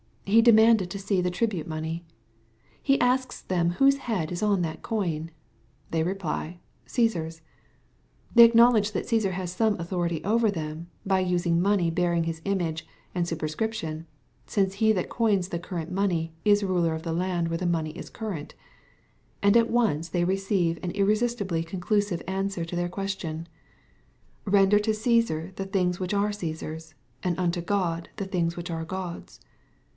He demanded to see the tribute money. He asks them whose head is on that coin. They reply, Caesar's. [They acknowledge that Caesar has some authority over them, by using money bearing his image and super scription, since he that coins the current money is ruler of the land where that money is current, \ And at once they receive an irresistibly conclusive answer to their question, — "Render to Caesar the things which are Caesar's, and unto God the things which are Grod's."